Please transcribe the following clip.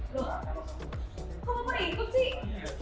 kok berikut sih